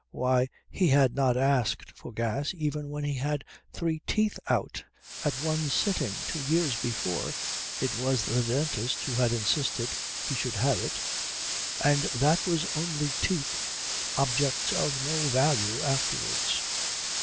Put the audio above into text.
Why, he had not asked for gas even when he had three teeth out at one sitting two years before it was the dentist who had insisted he should have it and that was only teeth, objects of no value afterwards.